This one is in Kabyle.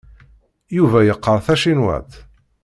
Yuba yeqqar tacinwat.